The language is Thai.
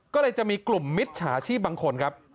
ก็เลยจะมีกลุ่มมิจฉาชีพบางคนครับ